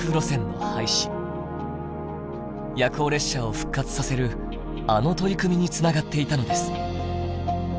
夜行列車を復活させるあの取り組みにつながっていたのです。